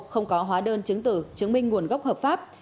không có hóa đơn chứng tử chứng minh nguồn gốc hợp pháp